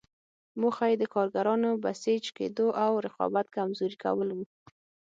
موخه یې د کارګرانو بسیج کېدو او رقابت کمزوري کول وو.